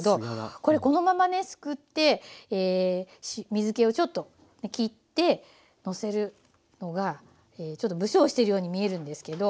これこのままねすくって水けをちょっと切ってのせるのがちょっと不精してるように見えるんですけど。